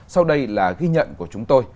sau đây là ghi nhận của chúng tôi